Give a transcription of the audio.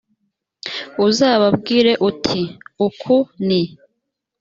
uzababwire uti uku ni